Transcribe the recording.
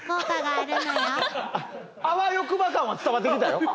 あわよくば感は伝わってきたよ。